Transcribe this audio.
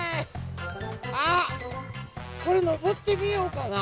あっこれのぼってみようかな。